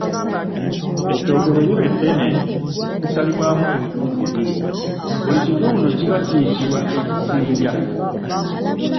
Ettooke bwe liba eddene lisalibwamu ebitundu bibiri; buli kitundu kiba kiyitibwa ekisinja.